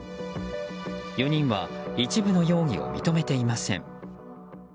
４人は一部の容疑を認めていません。